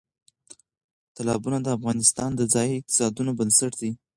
تالابونه د افغانستان د ځایي اقتصادونو بنسټ دی.